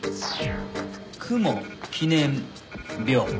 「雲記念病」